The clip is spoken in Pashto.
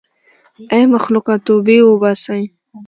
ای مخلوقه توبې وباسئ.